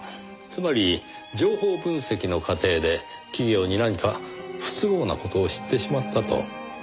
つまり情報分析の過程で企業に何か不都合な事を知ってしまったと。